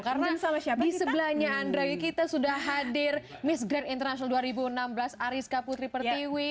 karena di sebelahnya andra kita sudah hadir miss grand international dua ribu enam belas ariska putri pertiwi